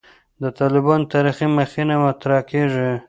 د «طالبانو تاریخي مخینه» مطرح کېږي.